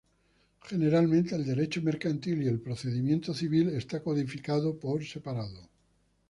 Generalmente, el derecho mercantil y el procedimiento civil está codificado por separado.